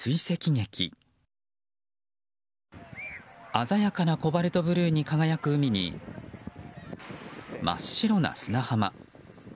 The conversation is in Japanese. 鮮やかなコバルトブルーに輝く海に真っ白な砂浜。